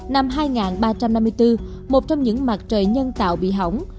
năm hai nghìn ba trăm năm mươi bốn một trong những mặt trời nhân tạo bị hỏng